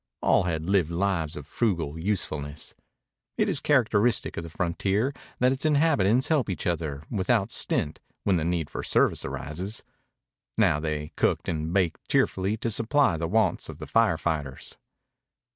All had lived lives of frugal usefulness. It is characteristic of the frontier that its inhabitants help each other without stint when the need for service arises. Now they cooked and baked cheerfully to supply the wants of the fire fighters.